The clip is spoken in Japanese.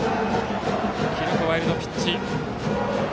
記録はワイルドピッチ。